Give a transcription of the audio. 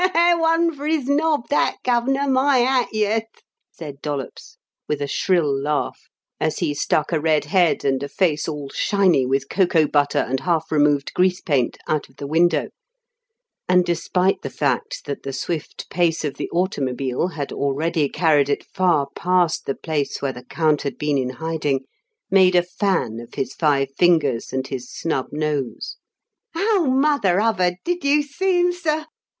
"One for his nob that, Gov'nor my hat, yuss!" said Dollops, with a shrill laugh, as he stuck a red head and a face all shiny with cocoa butter and half removed grease paint out of the window, and, despite the fact that the swift pace of the automobile had already carried it far past the place where the count had been in hiding, made a fan of his five fingers and his snub nose. "Oh, Mother 'Ubbard! Did you see him, sir?